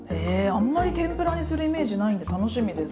あんまり天ぷらにするイメージないんで楽しみです。